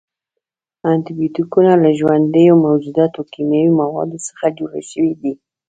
انټي بیوټیکونه له ژوندیو موجوداتو، کیمیاوي موادو څخه جوړ شوي دي.